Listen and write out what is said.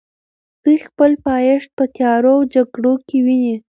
دوی خپل پایښت په تیارو او جګړو کې ویني.